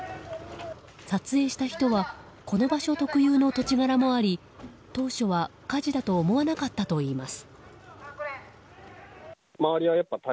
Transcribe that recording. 撮影した人はこの場所特有の土地柄もあり当初は火事だと思わなかったといいます。